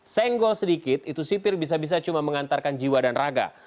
senggol sedikit itu sipir bisa bisa cuma mengantarkan jiwa dan raga